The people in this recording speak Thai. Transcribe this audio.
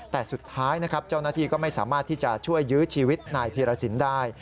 แต่สุดท้ายนะครับเจ้าหน้าที่ก็ไม่สามารถที่จะช่วยยื้อชีวิตนายพีรสินได้